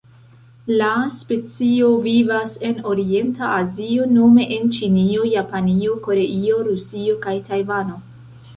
La specio vivas en Orienta Azio nome en Ĉinio, Japanio, Koreio, Rusio kaj Tajvano.